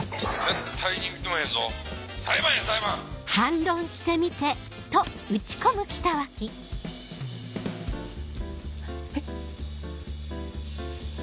絶対に認めへんぞ裁判や裁判！えっ。